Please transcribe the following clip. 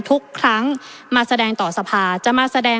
ประเทศอื่นซื้อในราคาประเทศอื่น